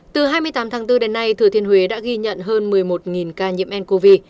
từ hai mươi tám tháng bốn đến nay thừa thiên huế đã ghi nhận hơn một mươi một ca nhiễm ncov